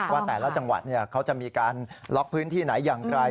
ว่าแต่ละจังหวัดเขาจะมีการล็อกพื้นที่ไหนอย่างไร